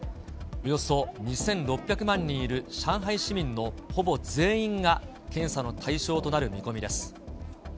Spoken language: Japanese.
およそ２６００万人いる上海市民のほぼ全員が、検査の対象となる見込みです。